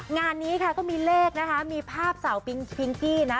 งานนี้ค่ะก็มีเลขนะคะมีภาพสาวปิงพิงกี้นะ